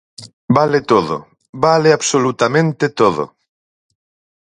¡Vale todo, vale absolutamente todo!